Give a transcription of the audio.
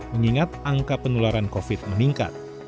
mengingat angka penularan covid sembilan belas meningkat